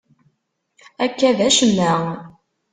Akka d acemma.